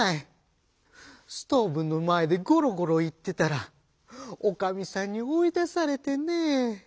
ストーブのまえでゴロゴロいってたらおかみさんにおいだされてねぇ」。